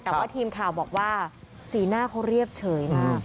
แต่ว่าทีมข่าวบอกว่าสีหน้าเขาเรียบเฉยนะ